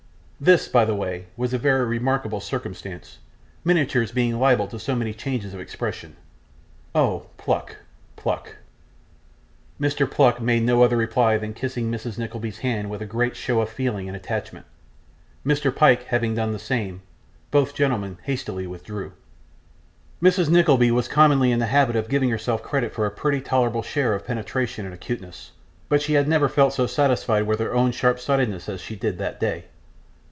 This, by the way, was a very remarkable circumstance, miniatures being liable to so many changes of expression 'Oh, Pluck! Pluck!' Mr. Pluck made no other reply than kissing Mrs. Nickleby's hand with a great show of feeling and attachment; Mr. Pyke having done the same, both gentlemen hastily withdrew. Mrs. Nickleby was commonly in the habit of giving herself credit for a pretty tolerable share of penetration and acuteness, but she had never felt so satisfied with her own sharp sightedness as she did that day.